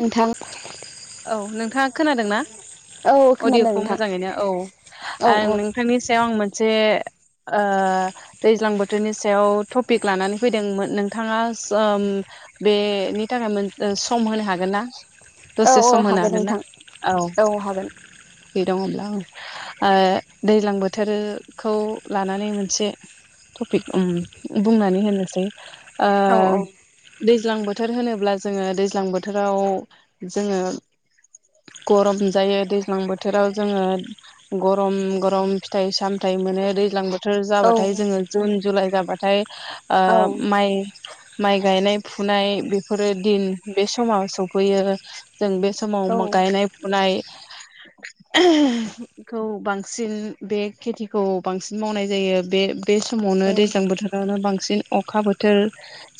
नोंथां औ नोंथाङा खोनादोंना औ खोनादों अडियखौ नोंथां मोजाङैनो औ औ आरो औ नों थांनि सायाव आं मोनसे ओ दैज्लां बोथोरनि सायाव टपिक लानानै फैदोंमोन नोंथाङा सम बेनि थाखाय ओ सम होनो हागोन ना? औ दसे औ सम होनो हागोन ना नोंथां औ दङब्ला ओ दैज्लां बोथोरखौ लानानै मोनसे टपिक बुंनानै होनोसै ओ औ औ दैज्लां बोथोर होनोब्ला जोङो दैज्लां बो बोथोराव जोङो गरम जायो दैज्लां बोथोराव जोङो गरम गरम फिथाइ सामथाइ मोनो दैज्लां बो बोथोर औ जाबाथाय जोङो जुन जुलाइ जाबाथाय ओ औ माइ माइ गायनाय फुनाय बेफोरो दिन बे समाव सफैयो। जों बे औ समाव गायनाय फुनाय [unintelligible] खौ बांसिन बे खेथिखौ बांसिन मावनाय जायो बे बे समावनो दैज्लां औ बोथोरावनो बांसिन अखा बोथोर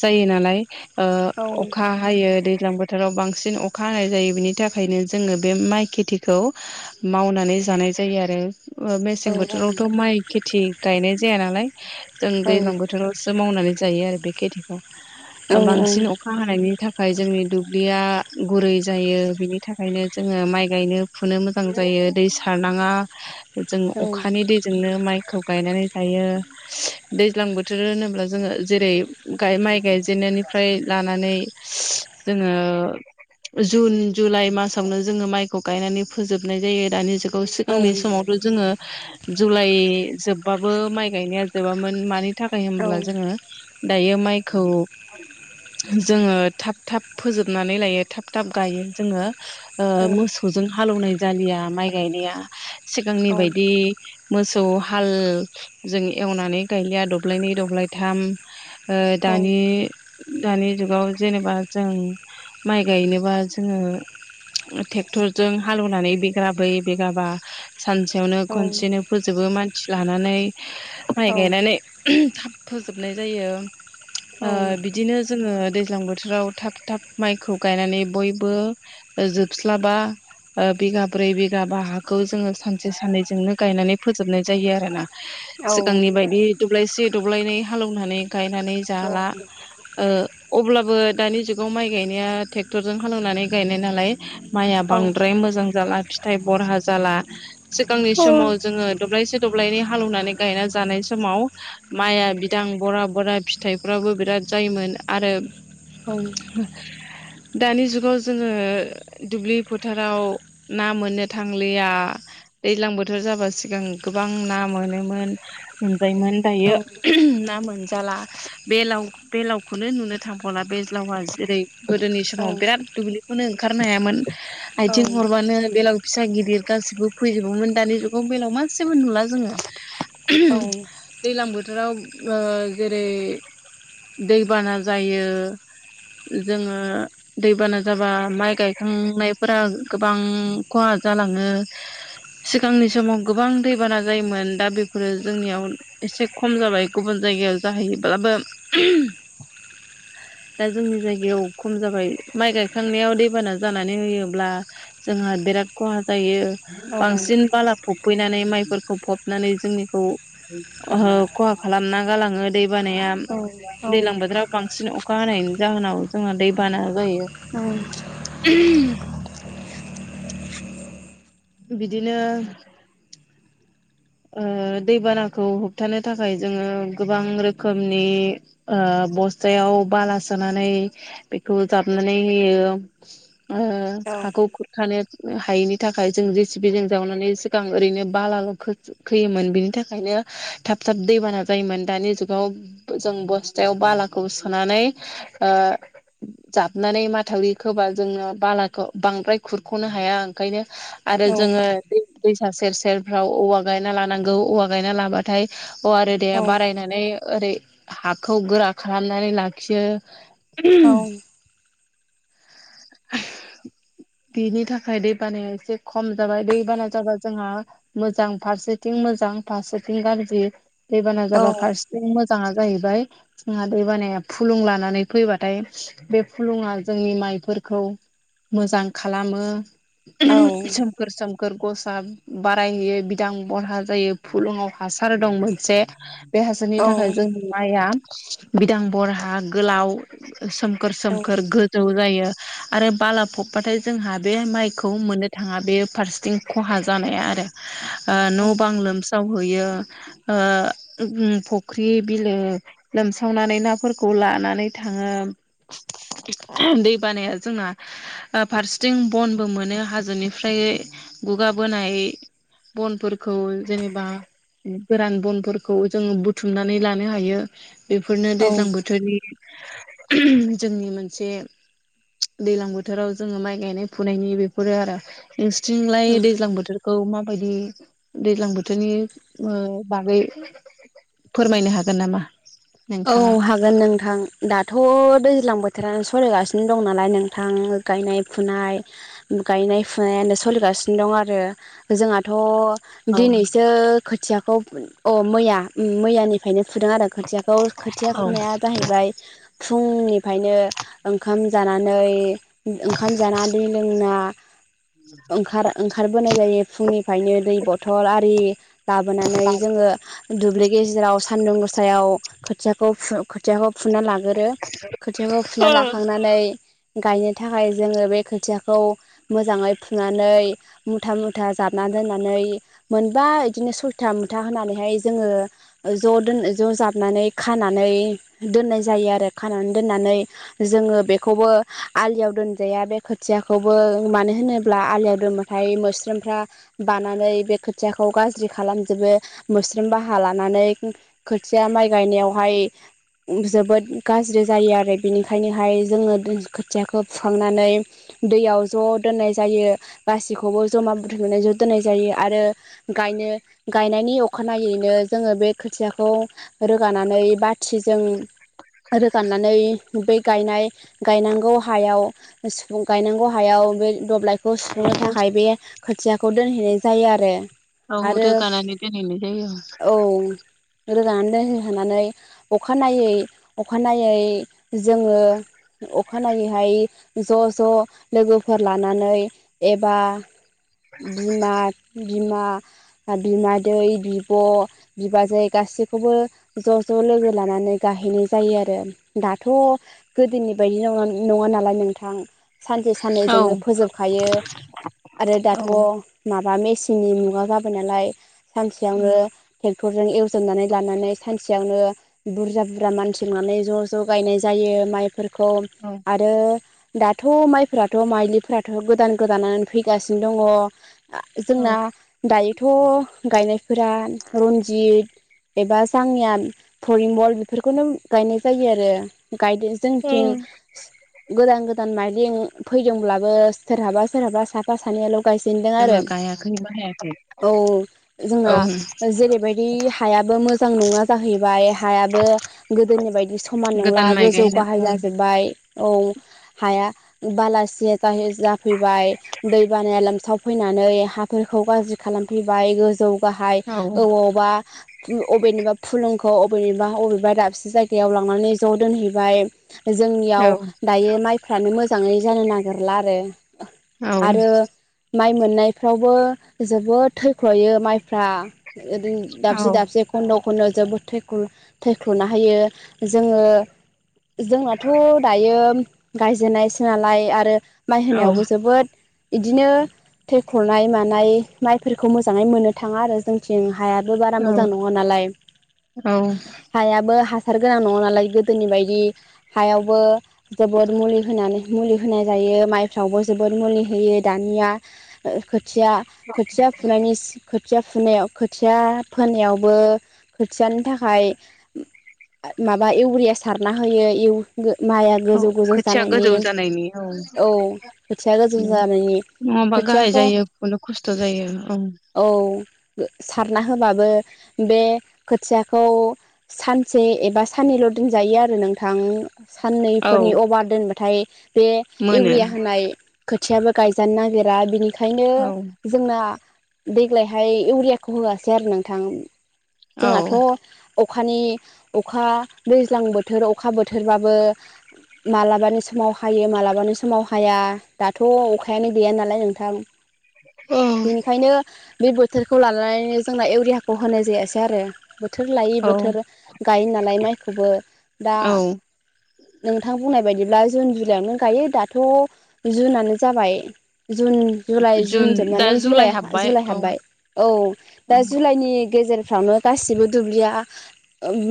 जायो नालाय। ओ औ अखा हायो दै दैज्लां बोथोराव बांसिन अखा हानाय जायो बिनि थाखायनो जोङो बे माइ खेथिखौ मावनानै जानाय जायो आरो ओ मेसें औ बोथोरावथ' माइ खेथि गायनाय जाया नालाय जों दैलां बोथोराव सो मावनानै जायो आरो बे खेथिखौ ओ बांसिन अखा हानायनि थाखाय जोंनि दुब्लिया गुरै जायो बिनि थाखायनो जोङो माइ गायनो फुनो मोजां मोजां जायो दै सारनाङा जों अखानि दैजोंनो माइ खौ गायनानै जायो। दैज्लां बोथोर होनोब्ला जोङो जेरै गाय माइ गायजेननायनिफ्राय लानानै जोङो जुन जुलाइ मासावनो जोङो माइखौ गायनानै फोजोबनाय जायो दानि जुगाव सिगांनि समावथ जोङो जुलाइ जोबबाबो माइ गायनाया जोबामोन मानि थाखाय होनब्ला जोङो दायो माइखौ जोङो थाब थाब फोजोबनानै लायो थाब थाब गायो जोङो ओ मोसौजों हालौनाय जालिया माइ गायनाया सिगांनि बायदि मोसौ हाल जों एवनानै गायलिया दब्लायनै दब्लायथाम ओ दानि दानि जुगाव जेनेबा जों माइ गायनोब्ला जोङो ट्रेक्टरजों हालेवनानै बेग्राबै बेगाबा सानसेयावनो खनसेनो फोजोबो मानसि लानानै माय गायनानै थाब फोजोबनाय जायो ओ बिदिनो जोङो दैज्लां बोथोराव थाब थाब माइखौ गायनानै बयबो ओ जोबस्लाबा ओ बिगा ब्रै बिगा ब हाखौ जोङो सानसे साननैजोंनो गायनानै फोजोबनाय जायो आरो ना। सिगांनि बायदि दब्लायसे दब्लायनै हालेवनानै गायनानै जाला ओ अब्लाबो दानि जुगाव माइ गायनाया ट्रेक्टरजों हालेवनानै गायनाय नालाय माइआ बांद्राय मोजां जाला फिथाइ बरहा जाला सिगांनि समाव जोङो दब्लायसे दब्लायनै हालेवनानै गायना जानाय समाव माइआ बिदां बरा बरा फि फिथाइफ्राबो बिराद जायोमोन आरो औ दानि जुगाव जोङो दुब्लि फोथाराव ना मोननो थांलिया दैज्लां बोथोर जाबा सिगां गोबां ना मोनोमोन। मोनजायमोन दायो ना मोनजाला बेलाव बेलावखौनो नुनो थांबावला बे लावा जेरै गोदोनि समाव बिराद दुब्लिखौनो ओंखारनो हायामोन आयथिं हरबानो बेलाव फिसा गिदिर गासिबो फैजोबोमोन दानि जुगाव बेलाव मासेबो नुला जोङो [inaudible] [unintelligible] दैलां बोथोराव जेरै दैबाना जायो जोङो दैबाना जाबा माइ गायखांनायफोरा गोबां खहा जालाङो सिगांनि समाव गोबां दैबाना जायोमोन दा बेफोरो जोंनियाव एसे खम जाबाय गुबुन जायगायाव जाहैयोब्लाबो दा जोंनि जायगायाव खम जाबाय माइ गायखांनायाव दैबाना जानानै होयोब्ला जोंहा बिराद खहा जायो बांसिन बाला फबफैनानै माइफोरखौ फबनानै जोंनिखौ ओ खहा खालामना गालाङो दै बानाया दैज्लां बोथोराव बांसिन अखा हानाय जाहोनाव जोंहा दै बाना जायो। बिदिनो दैबानाखौ होबथानो थाखाय जोङो गोबां रोखोमनि ओ बस्थायाव बाला सोनानै बेखौ जाबनानै होयो ओ हाखौ खुर- खानो हायैनि थाखाय जों जे सि बि जों जावनानै सिगां ओरैनो बालाल' फैयोमोन बिनि थाखायनो थाब थाब दैबाना जायोमोन दानि जुगाव जों बस्थायाव बालाखौ सोनानै ओ जाबनानै माथावरि खोबा जोङो बालाखौ बांद्राय खुरख'नो हाया ओंखायनो आरो जोङो दै दैसा सेर सेरफ्राव औवा गायना लानांगौ औवा गायना लाबथाय खाय औवा आरो दे बारायनानै ओरै हाखौ गोरा खालामनानै लाखियो [unintelligible] बिनि थाखाय दै बानाया एसे खम जाबाय दै बाना जाबा जोंहा मोजां फारसेथिं मोजां फारसेथिं गाज्रि दैबाना जाबा फारसेथिं मोजाङा जाहैबाय जोंहा दै बानाया फुलुं लानानै फैबाथाय बे फुलुंङा जोंनि माइफोरखौ मोजां खालामो औ सोमखोर सोमखोर गसा बारायहोयो बि- दां बरहा जायो फुलुुंआव हासार दं मोनसे बे हासारनि थाखाय जों माइआ बिदां बरहा गोलाव सोमखोर सोमखोर जौ जायो आरो बाला फबबाथाय जोंहा बे माइखौ मोननो थाङा बे फारसेथिं खहा जानाया आरो औ औ न' बां लोमसावहैयो ओ फख्रि बिलो लोमसावनानै नाफोरखौ लानानै थाङो दै बानाया जोंना फारसेथिं बनबो मोनो हाजोनिफ्राय गुगाबोनाय बनफोरखौ जेनेबा गोरान बनफोरखौ जोङो बुथुमनानै लानो हायो बेफोरनो दैज्लां औ बोथोरनि जोंनि मोनसे दैलां बोथोराव जोङो माइ गायनाय फुनायनि बेफोरो आरो औ नोंसोरथिंलाय दैज्लां बोथोरखौ मा बायदि दैज्लां बोथोरनि ओ बागै फोरमायनो हागोन नामा? औ नोंथाङा? हा- गोन नोंथां दाथ' दैज्लां बोथोरानो सलिगासिनो दं नालाय नोंथां गायनाय फुनाय गायनाय फुनायानो सोलिगासिनो दं आरो जोंहाथ' औ दिनैसो खोथियाखौ अ मैया मैयानिफ्रायनो फुदों आरो खोथियाखौ खोथिया औ फुनाया जाहैबाय फुंनिफ्रायनो ओंखाम जानानै ओंखाम जानानै दै लोंना ओंखार ओंखारबोनाय जायो फुंनिफ्रायनो दै बथल आरि लाबोनानै जोंङो दुब्लि गेजेराव सानदुं गोसायाव खोथिया खोथियाखौ फुना लाग गोरो खोथियाखौ फुना लाखांनानै गायनो थाखाय जोंङो बे खोथियाखौ मोजांङै फुनानै मुथा मुथा जाबना दोननानै मोनबा बिदिनो सयथा मुथा होनानैहाय जोंङो ज' दोन ज' जाबनानै खानानै दोननाय जायो आरो खानानै दोननानै जोंङो बेखौबो आलियाव दोनजाया बे खोथियाखौबो मानो होनोब्ला आलियाव दोन ओमफ्राय मोस्रोमफ्रा बानानै बे खोथियाखौ गाज्रि खालामजोबो मोस्रोम बाहा लानानै खोथिया माइ गायनायाव जोबोद गाज्रि जायो आरो बेनिखायनोहाय जोंङो खोथियाखौ फुखांनानै दैयाव ज' दोननाय जायो। गासैखौबो जमा बुथुमनानै ज' दोन्नाय जायो आरो गायनो गायनायनि अखानायैनो जोंङो बे खोथियाखौ रोगानानै नै बाथिजों रोगाननानै बै गायनाय गायनांगौ हायाव गायनांगौ हायाव बे दब्लाय खौ सुफुंनो थाखाय बे खोथियाखौ दोनहैनाय जायो आरो औ आरो रोगानानै दोनहैनाय जायो रोजानानै दोनहोहोनानै अखानायनायै अखानायै जोंङो अखानायैहाय ज' ज' लोगोफोर लानानै एबा बिमा बिमा बिमादैै बिब' बिबाजै गासैखौबो ज' ज' लोगो लानानै गाहैनाय जायो आरो दाथ' गोदोनि बायदि नंङा नालाय नोंथां सानसे साननै औ जोंङो फोजोबखायो आरो औ दाथ' माबा मेचिननि मुगा जाबाय नालाय सानसेयावनो ट्रेक्टर जजों एवजोबनानै लानानै सानसेयावनो बुरजा बुरजा मानसि लनानै ज' ज' गायनाय जायो माइफोरखौ औ आरो दाथ' माइफोराथ' माइलिफोराथ' गोदान गोदानानो फैगासिनो दंङो जोंना औ दायोथ' गायनायफोरा रनजित एबा जोंनिया फरिमल बेफोरखौनो गायनाय जायो आरो गायदों जोंनिथिं जोङो गोदान गोदान माइरें फैदोंब्लाबो सोरहाबा सोरहाबा साफा सानैल' गायजेनदों आरो गायाखै बाहायाखै औ औ जोंनिया जेरै बादि हायाबो मोजां नंङा जाहैबाय हायाबो गोदोनि बायदि समान नंङा गोदान माइ गोजौ गायनो गाहाय औ जाजोब बाय औ हाया बालासिया जा जाफैबाय दै बानाया लोमसाव फैनानै हाफोरखौ गाज्रि खालामफैबाय गोजौ बाहाय औ अबावबा बबेनिबा फुलुंखौ अबेनिबा बबेबा दाबसे जायगायाव लांनानै ज' दोनहैबाय जोंनियाव दायो माइफ्रानो मोजांङै जानो नागिरला आरो औ आरो माइ मोननायफ्रावबो जोबोद थैख्र'यो माइफ्रा ओर औ दाबसे दाबसे खन्द' खन्दआव जोबोद थैख थैख्लुना होयो जोङो। जोंनाथ' दायो गायजेननाय सोनलाय आरो माइ औ होनायावबो जोबोद। इदिनो थैखरनाय मानाय माइफोरखौ मोजाङै मोननो थाङा आरो जों थं हायाबो बारा मोजां नङा नालाय औ हायाबो हासार गोनां नङा नालाय गोदोनि बायदि हायावबो जोबोद मुलि होनानै। मुलि होनाय जायो माइफ्रावबो जोबोद मुलि होयो दानिया। खया खथिया फुनायनि खथिया फुनायाव खोथिया फोनायाव। बो खोथियानि थाखाय माबा इउरिया सारना होयो। माइआ औ गोजौ गोजौ खोथिया जानायनि गोजौ जानायनि औ खोथिया गोजौ जानायनि। नङाबा गाहाय खोथियाखौ जायो खुनु खस्थ' जायो औ। औ सारना होबाबो। बे खोथियाखौ सानसे एबा साननैल' दोनजायो आरो नोंथां। औ साननैफोरनि अभार दोनबाथाय बे मोनो इउरिया होनाय। खोथियाबो गायजानो नागिरा बिनिखायनो औ जोंना देग्लायहाय इउरियाखौ होआसै आरो नोंथां। औ जोंनाथ' अखानि अखा दैज्लां बोथोर अखा बोथोरबाबो मालाबानि समाव हायो मालाबानि समाव हाया दाथ' अखायानो गैया नालाय नोंथां। बेनिखायनो बे बोथोरखौ लानानैनो जोंना इउरियाखौ होनाय जायासै आरो। बोथोर लायै औ बोथोर गायो नालाय माइखौबो दा औ नोंथां बुंनाय बायदिब्ला जुन जुलाइआवनो गायो दाथ' जुनानो जाबाय। जुन जुलाइ जुन दा जोबनानै जुलाइ हाबबाय जुलाइ औ हाबबाय औ औ दा जुलाइनि गेजेर फावनो गासिबो दुब्लिया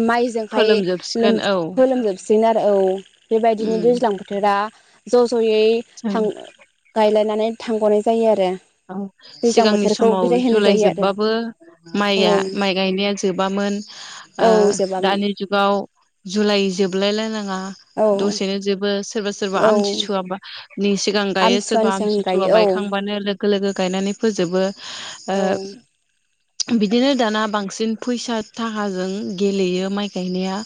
माइजोंहाय फोलोमजोबसिगोन औ फोलोमजोब। साबसिन आरो औ बेबायदिनो उम दैज्लां बोथोरा ज' ज'यै जों थां गायलायनानै थांगनाय जायो आरो। औ दैज्लां सिगांनि बोथोरखौ समाव बिदाय होनाय जुलाइ जायो आरो जोबबाबो औ माइआ माइ गायनाया जोबामोन। औ जोबामोन दानि जुगाव जुलाइ जोबलायलायनाङा औ दसेनो जोबो सोरबा सोरबा औ आमथिसुवाबा नि सिगां गायो सोरबा आमथिसुवानि आम सिगां सिसुवा गायो औ बायखांबानो लोगो लोगो गायनानै फोजोबो। ओ बिदिनो दाना बांसिन फैसा थाखाजों गेलेयो माइ गायनाया।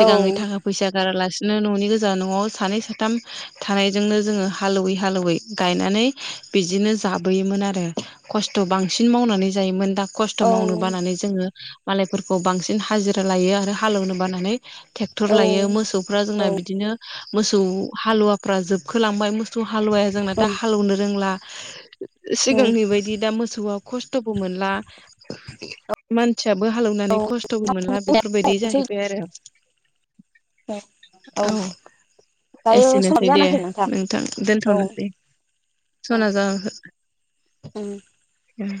औ थाखा फैसा गारालासिनो न'नि गोजान न'आव सानै साथाम थानायजोंनो जोङो हालेवै हालेवै गायनानै बिदिनो जाबोयोमोन आरो खस्थ' बांसिन मावनानै जायोमोन दा खस्थ' औ मावनो बानानै जो जोङो मालायफोरखौ बांसिन हाजिरा लायो आरो हालेवनो बानानै ट्रेक्टर लायो मोसौफ्रा जोंना औ बिदिनो मोसौ हालुवाफ्रा जोबखोलांबाय मोसौ हालवाया जोंना दा हालौवनो रोंला औ सिगांनि बायदि दा मोसौआ खस्थ'बो मोनला। मानसियाबो हालेवनानै खस्थ'बो मोनला बेफोरबायदि जाहैबाय आरो। औ औ। दायो समाबो एसेनोसै दे जाना फैबाय नोंथां औ दोनथ'नोसै सना ज औ। उम